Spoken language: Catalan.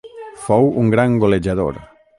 Fou un gran golejador.